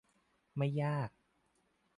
ไม่ยาก